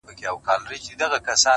لاندي باندي یو په بل کي سره بندي؛